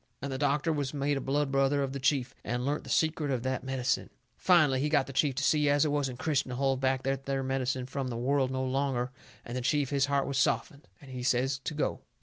And the doctor was made a blood brother of the chief, and learnt the secret of that medicine. Finally he got the chief to see as it wasn't Christian to hold back that there medicine from the world no longer, and the chief, his heart was softened, and he says to go.